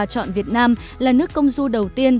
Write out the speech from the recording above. chọn việt nam là nước công du đầu tiên